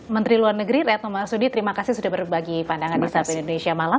menteri luar negeri retno marsudi terima kasih sudah berbagi pandangan di saat indonesia malam